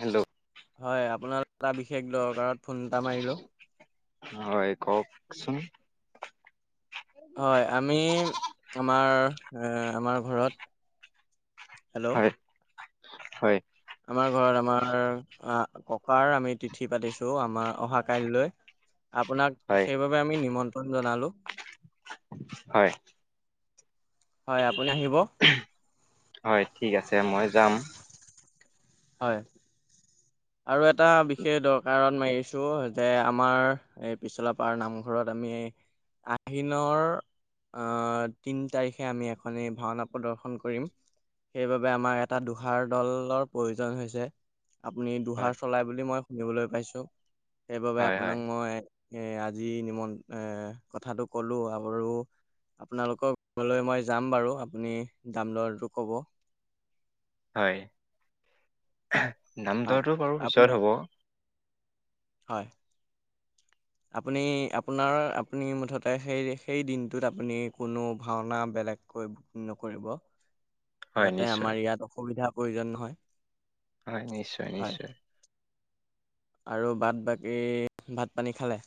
Hello. হয়, আপোনালোক এটা বিশেষ দৰকাৰত ফোন এটা মাৰিলো। [inaudible] হয় কওকচোন হয়, আমি, আমাৰ, আমাৰ ঘৰত হেল্ল' হয়, হয়। আমাৰ ঘৰত আমাৰ অ', ককাৰ আমি তিথি পাতিছোঁ, আমাৰ অহা কাইলৈ আপোনাক হয় সেইবাবে আমি নিমন্ত্ৰণ জনালোঁ। হয়। হয় আপুনি আহিব। হয় ঠিক আছে মই যাম। হয়। আৰু এটা বিশেষ দৰকাৰত মাৰিছোঁ যে আমাৰ এই পিছলাপাৰ নামঘৰত আমি আহিনৰ আহ তিন তাৰিখে আমি এখনি ভাওনা প্ৰদৰ্শন কৰিম। সেইবাবে আমাৰ এটা দোহাৰ দলৰ প্ৰয়োজন হৈছে। আপুনি দোহাৰ হয় চলাই বুলি মই শুনিবলৈ পাইছোঁ সেইবাবে হয় হয় আপোনাক মই এ আজি নিমন্ত্ৰ এ কথাটো ক'লো আৰু আপোনালোকৰ ঘৰলৈ মই যাম বাৰু আপুনি দাম দৰটো ক'ব। হয় দাম হয় দৰটো বাৰু আপুনি পিছত হ'ব। হয়। আপুনি আপোনাৰ আপুনি মুঠতে সেই সেই দিনটোত আপুনি কোনো ভাওনা বেলেগকৈ নকৰিব হয় যাতে নিশ্চয় আমাৰ ইয়াত অসুবিধাৰ প্ৰয়োজন নহয়। হয় নিশ্চয় হয় নিশ্চয়। আৰু বাত বাকী ভাত পানী খালে?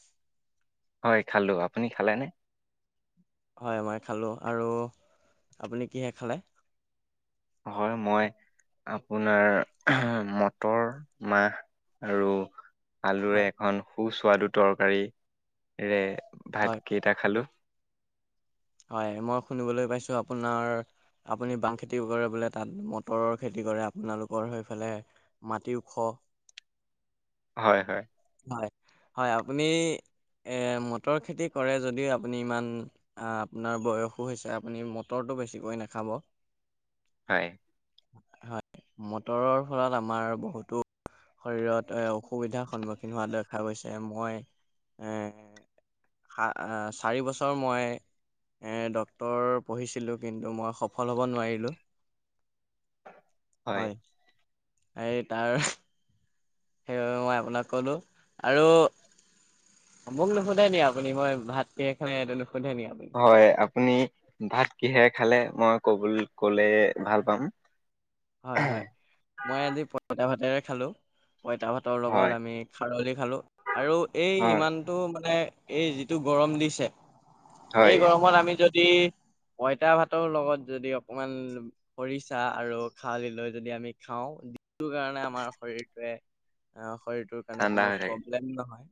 হয় খালো। আপুনি খালে নে? হয় মই খালোঁ। আৰু আপুনি কিহে খালে? হয় মই আপোনাৰ মটৰ মাহ আৰু আলুৰে হয় এখন সুস্বাদু তৰকাৰীৰে হয় ভাত কেইটা খালোঁ। হয় মই শুনিবলৈ পাইছোঁ আপোনাৰ আপুনি বাম খেতিও কৰে বোলে তাত, মটৰৰ খেতি কৰে আপোনালোকৰ সেইফালে। মাটি ওখ। হয়, হয়। হয় হয় আপুনি এ মটৰ খেতি কৰে যদিও আপুনি ইমান আহ আপোনাৰ বয়সো হৈছে আপুনি মটৰটো বেছিকৈ নাখাব। হয়। হয় মটৰৰ ফলত আমাৰ বহুতো শৰীৰত এ অসুবিধাৰ সন্মুখীন হোৱা দেখা গৈছে মই এৰ চাৰি বছৰ মই ডক্টৰ পঢ়িছিলোঁ কিন্তু মই সফল হ'ব নোৱাৰিলোঁ। হয় এই তাৰ সেইবাবে মই আপোনাক ক'লো আৰু মোক নুশুধে নি আপুনি মই ভাত কিহে খালো এইটো নুশুধে নেকি আপুনি হয় আপুনি ভাত কিহে খালে মই ক'ব ক'লে ভাল পাম। হয় হয় মই আজি পইতা ভাতেৰে খালোঁ। পইতা ভাত ভাতৰ হয় লগত আমি খাৰলি খালোঁ আৰু এই হয় ইমান মানে এই যিটো গৰম দিছে এই হয় গৰমত আমি যদি যদি পঁইতা ভাতৰ লগত যদি অকনমান খৰিচা আৰু খাৰলি লৈ যদি আমি খাওঁ দিনটো কাৰণে আমাৰ শৰীৰটোৱে শৰীৰটোৰ কাৰণে ঠাণ্ডা কোনো হৈ থাকে প্ৰব্লেম নহয়।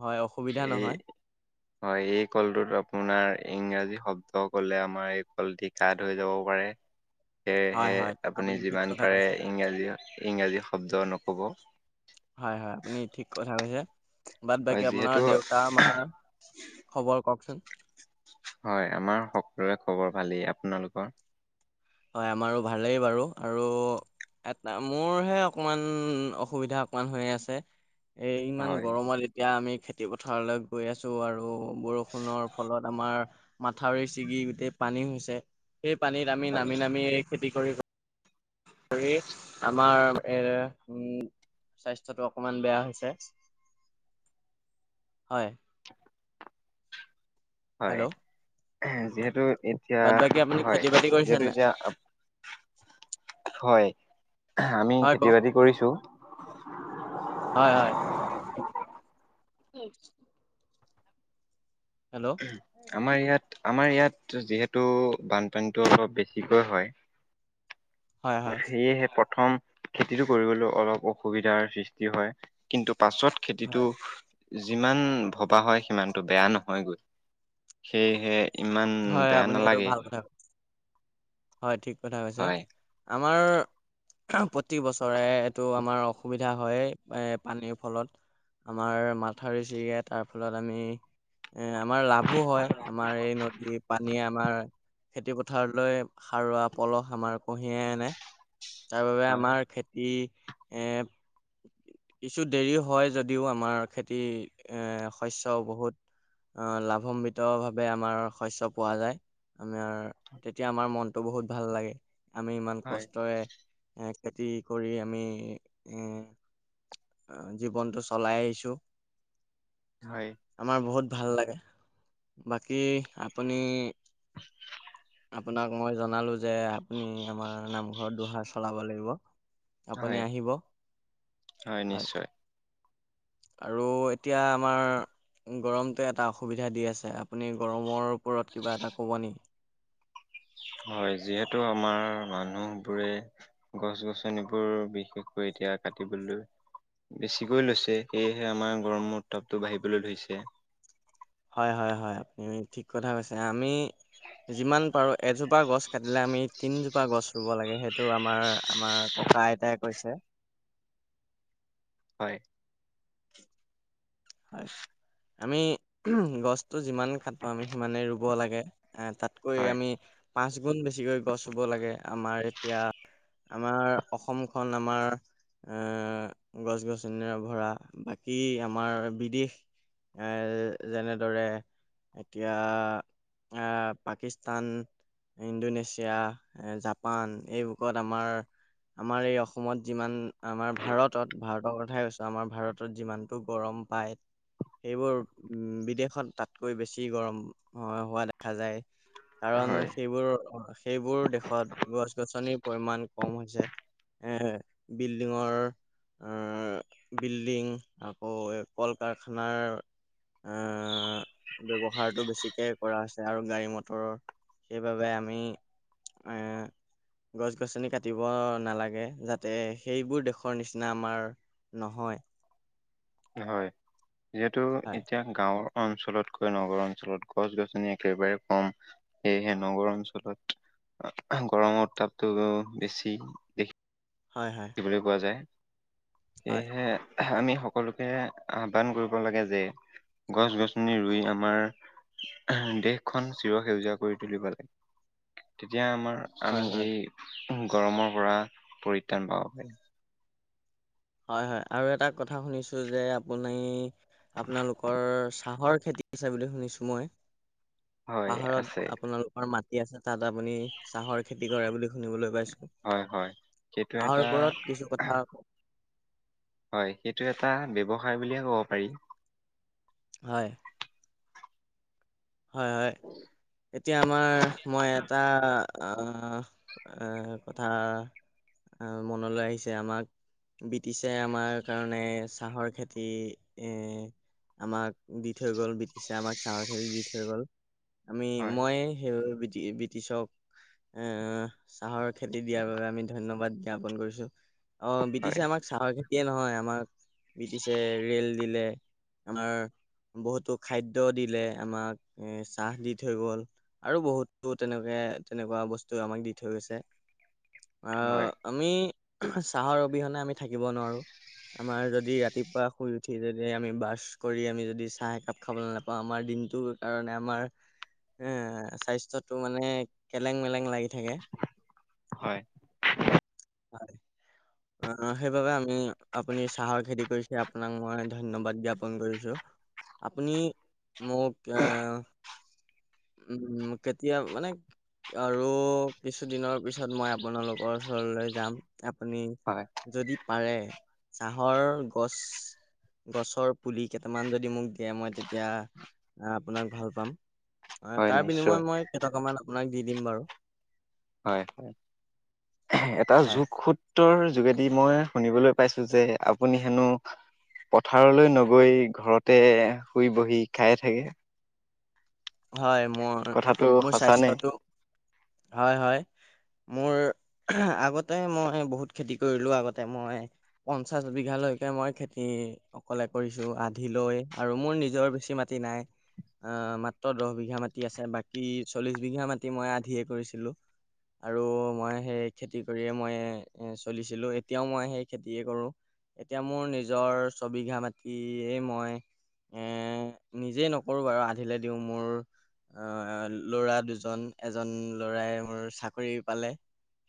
হয় অসুবিধা এই নহয় হয় এই কলটোত আপোনাৰ ইংৰাজী শব্দ ক'লে আমাৰ এই কলটিক কাট হৈ যাব পাৰে। হয় সেয়েহে হয় আপুনি ঠিক যিমান কথা পাৰে কৈছে ইংৰাজী ইংৰাজী শব্দ নক'ব। হয় হয়, আপুনি ঠিক কথা কৈছে। বাদ হয় বাকী যিহেতু আপোনাৰ দেউতা মাৰ খবৰ কওকচোন? হয়, আমাৰ সকলোৰে খবৰ ভালেই। আপোনালোকৰ? হয় আমাৰো ভালেই বাৰু আৰু এটা, মোৰহে অকমান অসুবিধা অকমান হৈ আছে। এই ইমান হয় গৰমত এতিয়া আমি খেতি পথাৰলৈ গৈ আছোঁ আৰু বৰষুণৰ ফলত আমাৰ মাথাউৰি ছিগি গোটেই পানী হৈছে, সেই পানীত আমি না হয় নামি নামি এই খেতি কৰি কৰি আমাৰ এ, উম স্বাস্থ্যটো অকমান বেয়া হৈছে। হয়। হয়, হেল্ল' যিহেতু এতিয়া বাদ বাকী আপুনি হয়, খেতি বাতি কৰিছে যিহেতু নাই? এতিয়া হয়, আমি হয় খেতি কওক বাতি কৰিছোঁ হয় হয়। হেল্ল' আমাৰ ইয়াত আমাৰ ইয়াত যিহেতু বানপানীটো অলপ বেছিকৈ হয়। [inaudible] সেয়েহে প্ৰথম খেতিটো কৰিবলৈ অলপ অসুবিধাৰ সৃষ্টি হয় কিন্তু পাছত হয়। খেতিটো যিমান ভবা হয় সিমানটো বেয়া নহয় গৈ। সেয়েহে ইমান হয় বেয়া আপুনি সেইটো নালাগে। ভাল কথা কৈছে। হয়, ঠিক কথা কৈছে। হয়। আমাৰ প্ৰতি বছৰে এইটো আমাৰ অসুবিধা হয়ে এ, পানীৰ ফলত। আমাৰ মাথাউৰি ছিগে তাৰ ফলত আমি এ, আমাৰ লাভো হয়, আমাৰ এই নদী পানীয়ে আমাৰ খেতি পথাৰলৈ সাৰুৱা পলস আমাৰ কঢ়িয়াই আনে। তাৰ বাবে হয় আমাৰ খেতি এ কিছু দেৰি হয় যদিও আমাৰ খেতি এ, শস্যও বহুত আ, লাভান্বিতভাৱে আমাৰ শস্য পোৱা যায়। আমাৰ তেতিয়া আমাৰ মনটো বহুত ভাল লাগে, আমি ইমান হয় কষ্টৰে এ, খেতি কৰি আমি এ জীৱনটো চলাই আহিছোঁ। হয়। আমাৰ বহুত ভাল লাগে। বাকী আপুনি [inaudible] আপোনাক মই জনালো যে আপুনি আমাৰ নামঘৰত দুহাৰ চলাব লাগিব। আপুনি হয়, আহিব হয় নিশ্চয়। আৰু এতিয়া আমাৰ গৰমটোৱে এটা অসুবিধা দি আছে, আপুনি গৰমৰ ওপৰত কিবা এটা ক'ব নেকি? হয়, যিহেতু আমাৰ মানুহবোৰে গছ গছনিবোৰ বিশেষকৈ এতিয়া কাটিবলৈ বেছিকৈ লৈছে, সেয়েহে আমাৰ গৰমৰ উত্তাপটো বাঢ়িবলৈ ধৰিছে। হয় হয় হয়, আপুনি ঠিক কথা কৈছে। আমি যিমান পাৰো এজোপা গছ কাটিলে আমি তিনজোপা গছ ৰুব লাগে, সেইটো আমাৰ আমাৰ ককা আইতাই কৈছে। হয়। হয়, আমি গছটো যিমান কাটো আমি সিমানেই ৰুব লাগে, আ, তাত কৈ হয় আমি পাঁচ গুণ বেছিকৈ গছ ৰুব লাগে, আমাৰ এতিয়া আমাৰ অসমখন আমাৰ এ, গছ গছনিৰে ভৰা, বাকী আমাৰ বিদেশ এ, যেনেদৰে এতিয়া আ, পাকিস্তান ইণ্ডোনেছিয়া, জাপান, এই বুকত আমাৰ আমাৰ এই অসমত যিমান, আমাৰ ভাৰতত ভাৰতৰ কথাই কৈছোঁ, আমাৰ ভাৰতত যিমানটো গৰম পায় সেইবোৰ উ, বিদেশত তাতকৈ বেছি গৰম হোৱা দেখা যায়। কাৰণ হয় সেইবোৰ সেইবোৰ দেশত গছ গছনিৰ পৰিমণ কম হৈছে। এ, বিল্ডিঙৰ, বিল্ডিং আকৌ কল কাৰখানাৰ আ, ব্যৱহাৰটো বেছিকে কৰা হৈছে আৰু গাড়ী মটৰৰ সেইবাবে আমি এ গছ গছনি কাটিব নালাগে যাতে সেইবোৰ দেশৰ নিচিনা আমাৰ নহয়। হয়, যিহেতু হয় এতিয়া গাঁৱৰ অঞ্চলতকৈ নগৰ অঞ্চলত গছ গছনি একেবাৰে কম। সেয়েহে নগৰ অঞ্চলত গৰমৰ উত্তাপটো বেছি। হয় হয়। বুলি কোৱা যায়, হয় সেয়েহে আমি সকলোকে আহ্বান কৰিব লাগে যে, গছ গছনি ৰুই আমাৰ দেশখন চিৰ সেউজীয়া কৰি তুলিব লা, তেতিয়া আমাৰ আমি হয় হয় এই গৰমৰপৰা পৰিত্ৰাণ পাব পাৰি। হয় হয়, আৰু এটা কথা শুনিছোঁ যে আপুনি আপোনালোকৰ চাহৰ খেতি পিছা বুলি শুনিছোঁ মই। হয় পাহাৰত আছে আপোনালোকৰ মাত কি আছে তাত আপুনি চাহৰ খেতি কৰে বুলি শুনিবলৈ পাইছোঁ। হয় হয় সেইটো হাঁহৰ এটা ওপৰত কিছু কথা হয়, সেইটো এটা ব্যৱসায় বুলিয়ে ক'ব পাৰি। হয়। হয় হয়, এতিয়া আমাৰ মই এটা আ, এ, কথা আ, মনলৈ আহিছে আমাক। ব্ৰিটিছে আমাৰ কাৰণে চাহৰ খেতি এ আমাক দি থৈ গ'ল, ব্ৰিটিছে আমাক চাহৰ খেতি দি থৈ গ'ল। আমি হয় মই হেই [unintelligible] ব্ৰিটিছক এ, চাহৰ খেতি দিয়াৰ বাবে আমি ধন্যবাদ জ্ঞাপন কৰিছোঁ। অ' ব্ৰিটিছে হয় আমাক চাহৰ খেতিয়ে নহয় আমাক ব্ৰিটিছে ৰে'ল দিলে, আমাৰ বহুতো খাদ্য দিলে আমাক। এ, চাহ দি থৈ গ'ল। আৰু বহুতো তেনেকে তেনেকুৱা বস্তু আমাক দি থৈ গৈছে। আ হয় আমি চাহৰ অবিহনে আমি থাকিব নোৱাৰোঁ। আমাৰ যদি ৰাতিপুৱা শুই উঠি যদি আমি ব্ৰাছ কৰি আমি যদি চাহ একাপ খাবলৈ নাপাওঁ আমাৰ দিনটো কাৰণে আমাৰ এ, স্বাস্থ্যটো মানে কেলেং মেলেং লাগি থাকে। হয় [unintelligible] অ' সেইবাবে আমি, আপুনি চাহৰ খেতি কৰিছে, আপোনাক মই ধন্যবাদ জ্ঞাপন কৰিছোঁ। আপুনি মোক এ উম, কেতিয়া মানে আৰু, কিছুদিনৰ পিছত মই আপোনালোকৰ ওচৰলৈ যাম, আপুনি হয়। যদি পাৰে, চাহৰ গছ গছৰ পুলি কেইটামান যদি মোক দিয়ে, মই তেতিয়া আপোনাক ভাল পাম। হয়, তাৰ বিনিময়ত মই কেইটকামান আপোনাক দি দিম বাৰু। হয়, এটা হয় জোখ খুত -যোগেদি মই শুনিবলৈ পাইছো, যে আপুনি হেনো পথাৰলৈ নগৈ ঘৰতে শুই বহি খাইে থাকে। হয় মোৰ, কথাটো মোৰ সঁচা নে স্বাস্থ্যটো হয়-হয়। মোৰ, আগতে মই বহুত খেতি কৰিলো, আগতে মই পঞ্চাছ বিঘালৈকে মই খেতি অকলে কৰিছো আধি লৈ, আৰু মোৰ নিজৰ বেছি মাটি নাই, আহ ম দহ বিঘা মাটি আছে, বাকী চল্লিশ বিঘা মাটি মই আধিয়ে কৰিছিলো। আৰু মই সেই খেতি কৰিয়ে মই এ, চলিছিলো, এতিয়াও মই সেই খেতিয়ে কৰোঁ। এতিয়া মোৰ নিজৰ ছবিঘা মটিয়ে মই এ, নিজেই নকৰো বাৰু আধিলে দিওঁ মোৰ আহ, ল'ৰা দুজন, এজন ল'ৰাই মোৰ চাকৰি পালে।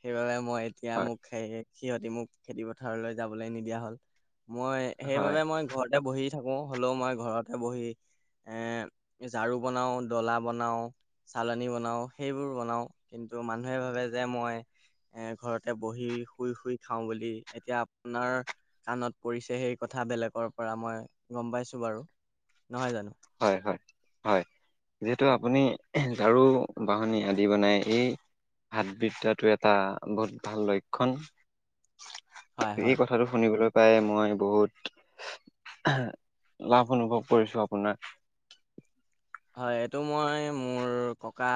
সেইবাবে মই এতিয়া হয় মোক সে সিহঁতি মোক খেতি পথাৰলৈ যাবলৈ নিদিয়া হল, মই হয় সেইবাবে মই ঘৰত বহি থাকো, হ'লেও মই ঘৰতে বহি এ ঝাৰু বনাও, ডলা বনাও, চালনী বনাও, সেইবোৰ বনাও, কিন্তু মানুহে ভাবে যে মই এ, ঘৰতে বহি শুই, শুই খাওঁ বুলি এতিয়া আপোনাৰ কাণত পৰিছে সেই কথা বেলেগৰ পৰা মই গম পাইছো বাৰু, নহয় জানো? হয়, হয়, হয়, যিহেতু আপুনি ঝাৰু, বাহনী আদি বনাই, এই হাতবিদ্যাটো এটা বহুত ভাল লক্ষণ, হয় এই হয় কথাটো শুনিবলৈ পাই মই বহুত, লাভ অনুভৱ কৰিছো আপোনাক। হয়, এইটো মই মোৰ ককা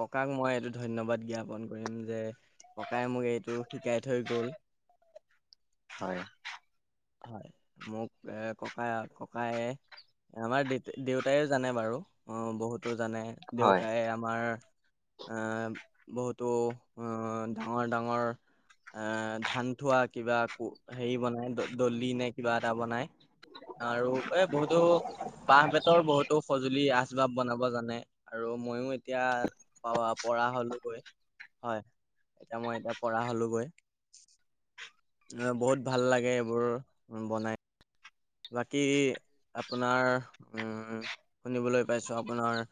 ককাক মই এইটো ধন্যবাদ জ্ঞাপন কৰিম যে, ককাই মোক এইটো শিকাই থৈ গ'ল। হয়। হয়, মোক এ, ককা ককায়ে আমাৰ দে-দেউতাই জানে বাৰু অ', বহুতো জানে, হয় দেউতাই আমাৰ বহুতো, ডাঙৰ, ডাঙৰ এ, ধান থোৱা কিবা হেৰি বনাই, দলি নে কিবা এটা বনাই। আৰু এ, বহুতো, বাঁহ বেতৰ বহুতো সজুলি আছে। বনাব জানে, আৰু মইও এতিয়া প-পৰা হ'লোগৈ। হয়, এতিয়া মই এতিয়া পৰা হ'লো গৈ। অ', বহুত ভাল লাগে, এইবোৰ বনাই। বাকী আপোনাৰ, উম, শুনিবলৈ পাইছোঁ আপোনাৰ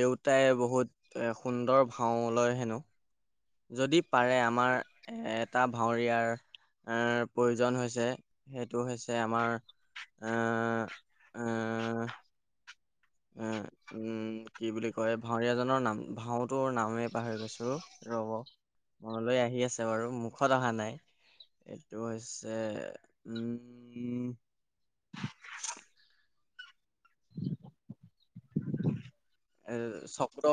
দেউতাই বহুত এ, সুন্দৰ ভাও লয় হেনো। যদি পাৰে, আমাৰ এটা ভাৱৰীয়াৰ এ, প্ৰয়োজন হৈছে, সেইটো হৈছে আমাৰ আ, আহ। উম, উম। উম, কি বুলি কয়, ভাউৰীয়া জনৰ নাম, ভাওটোৰ নামেই পাহৰি গৈছোঁ, ৰ'ব। মনলৈ আহি আছে বাৰু মুখত অহা নাই এইটো হৈছে উম [inaudible] এ চক্ৰ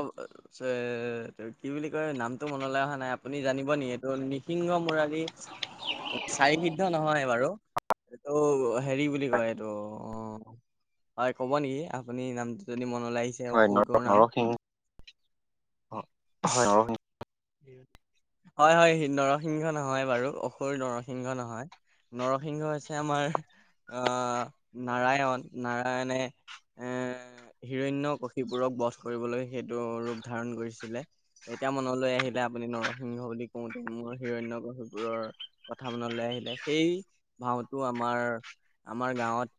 কি বুলি কয় নামটো মনলৈ অহা নাই আপুনি জানিব নেকি এইটো নিসিংহ মুৰাৰী? চাৰি সিদ্ধ নহয় বাৰু এইটো হেৰি বুলি কয় এইটো অ হয় ক'ব নেকি আপুনি নামটো যদি মনলে আহিছে? হয় অসুৰটোৰ নাম নৰসিং হয় নৰসি হয়- হয়, নৰসিংহ নহয় বাৰু অসুৰ নৰসিংহ নহয়। নৰসিংহ হৈছে আমাৰ আ, নাৰায়ণ নাৰায়ণে এ হিৰণ্য কশিপুৰক বধ কৰিবলৈ সেইটো ৰূপ ধাৰণ কৰিছিলে এতিয়া মনলৈ আহিল যেতিয়া আপুনি নৰসিংহ বুলি কওঁতে মোৰ হিৰণ্য সিবুৰৰ কথা মনলৈ আহিলে সেই ভাওটো আমাৰ আমাৰ গাঁৱত